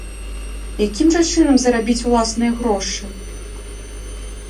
Якім жа чынам зарабіць уласныя грошы?